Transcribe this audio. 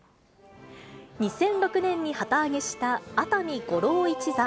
２００６年に旗揚げした熱海五郎一座。